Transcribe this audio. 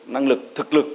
năng lực thực lực